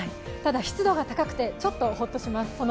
ただ、湿度が高くてちょっとホッとします。